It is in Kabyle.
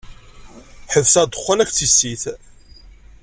Ḥebseɣ ddexxan akked tissit.